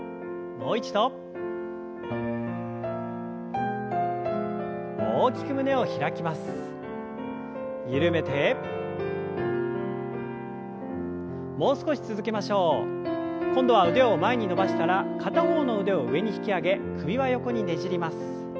もう少し続けましょう。今度は腕を前に伸ばしたら片方の腕を上に引き上げ首は横にねじります。